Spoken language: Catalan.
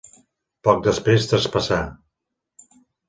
Poc després traspassà.